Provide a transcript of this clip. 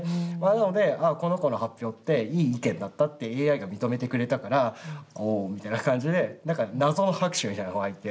なので、この子の発表っていい意見だったってＡＩが認めてくれたからおーみたいな感じで謎の拍手みたいなのが沸いて。